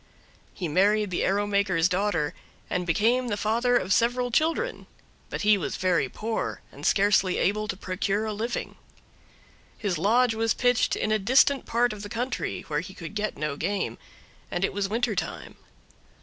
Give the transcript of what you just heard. He married the arrow maker's daughter, and became the father of several children, but he was very poor and scarcely able to procure a living. His lodge was pitched in a distant part of the country, where he could get no game, and it was winter time.